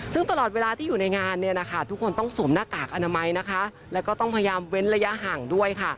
ซึ่งตลอดเวลาที่อยู่ในงานเนี่ยนะคะทุกคนต้องสวมหน้ากากอนามัยนะคะแล้วก็ต้องพยายามเว้นระยะห่างด้วยค่ะ